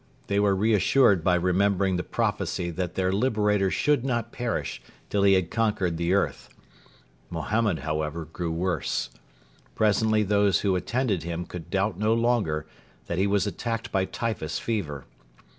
They were reassured by remembering the prophecy that their liberator should not perish till he had conquered the earth. Mohammed, however, grew worse. Presently those who attended him could doubt no longer that he was attacked by typhus fever.